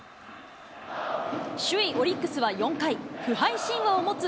首位オリックスは４回、不敗神話を持つ